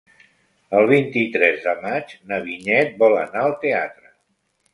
El vint-i-tres de maig na Vinyet vol anar al teatre.